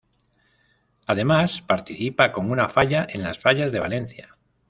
Además, participa con una falla en las Fallas de Valencia.